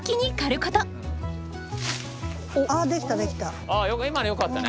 あできたできた！